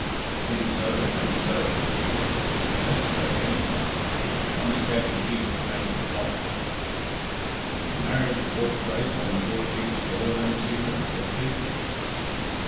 "Maybe so, maybe no," said Cæsar. "Necessary anyway; one scabby sheep infects the flock." "And has marriage daubed grace on the poor sheep's sore then, Cæsar?" said Pete.